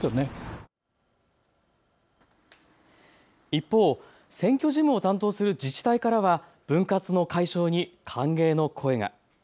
一方、選挙事務を担当する自治体からは分割の解消に歓迎の声が。